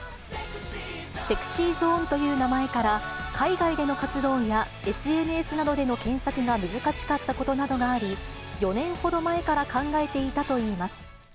ＳｅｘｙＺｏｎｅという名前から、海外での活動やＳＮＳなどでの検索が難しかったことなどがあり、４年ほど前から考えていたといいます。